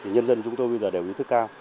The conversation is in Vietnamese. nhân dân chúng tôi bây giờ đều ý thức cao